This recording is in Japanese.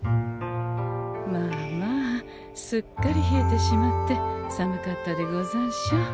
まあまあすっかり冷えてしまって寒かったでござんしょう？